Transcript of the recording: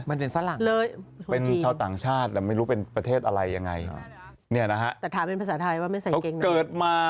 มันเป็นฝรั่งเลยคนจริงเป็นชาวต่างชาติแต่ไม่รู้เป็นประเทศอะไรยังไง